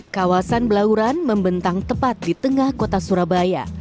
kawasan belauran membentang tepat di tengah kota surabaya